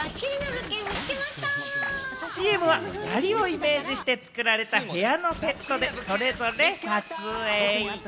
ＣＭは２人をイメージして作られた部屋のセットでそれぞれ撮影。